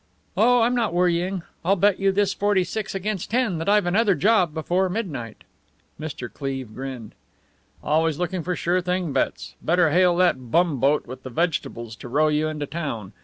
"Oh, I'm not worrying! I'll bet you this forty six against ten that I've another job before midnight." Mr. Cleve grinned. "Always looking for sure thing bets! Better hail that bumboat with the vegetables to row you into town.